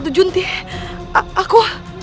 tidak bisa naka